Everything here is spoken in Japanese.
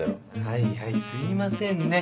はいはいすいませんね。